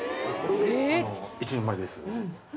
１人前です